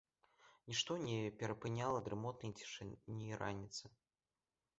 Нішто не перапыняла дрымотнай цішыні раніцы.